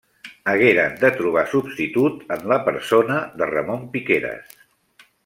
Hagueren de trobar substitut en la persona de Ramon Piqueres.